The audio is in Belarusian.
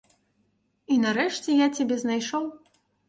І, нарэшце, я цябе знайшоў.